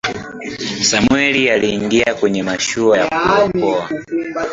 samwel aliingia kwenye mashua ya kuokoa